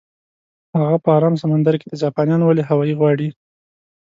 هغه په ارام سمندر کې ده، جاپانیان ولې هاوایي غواړي؟